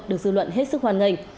được dư luận hết sức hoàn ngành